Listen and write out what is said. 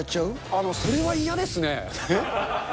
あの、それは嫌ですね。